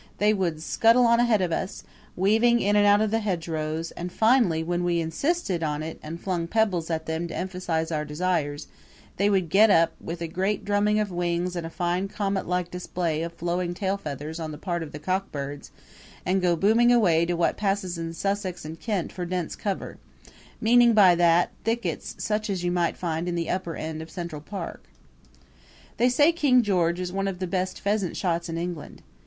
They would scuttle on ahead of us, weaving in and out of the hedgerows; and finally, when we insisted on it and flung pebbles at them to emphasize our desires, they would get up, with a great drumming of wings and a fine comet like display of flowing tailfeathers on the part of the cock birds, and go booming away to what passes in Sussex and Kent for dense cover meaning by that thickets such as you may find in the upper end of Central Park. They say King George is one of the best pheasant shots in England.